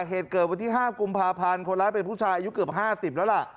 เหตุเกิดวันที่๕กุมภาพันธ์คนร้ายเป็นผู้ชายอายุเกือบ๕๐แล้วล่ะ